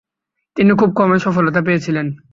তিনি খুব কমই সফলতা পেয়েছিলেন।